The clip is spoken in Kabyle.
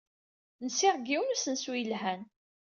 Nsiɣ deg yiwen n usensu yelhan.